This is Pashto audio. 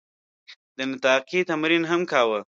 د نطاقي تمرین هم کاوه.